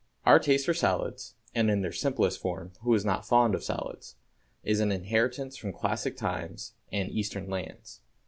_ Our taste for salads and in their simplest form who is not fond of salads? is an inheritance from classic times and Eastern lands.